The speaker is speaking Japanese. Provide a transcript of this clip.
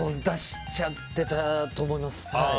出しちゃってたと思います。